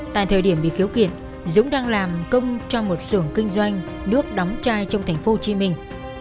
tại thời điểm bị khiếu kiện dũng đang làm công cho một sưởng kinh doanh nước đóng chai trong thành phố hồ chí minh